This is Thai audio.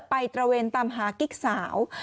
ตระเวนตามหากิ๊กสาว